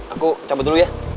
aku cabut dulu ya